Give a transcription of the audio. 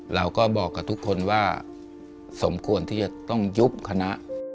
เราก็บอกกับทุกคนว่าสมควรที่จะต้องยุบคณะ